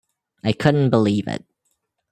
I couldn't believe it.